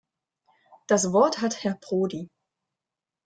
Das Wort hat Herr Prodi.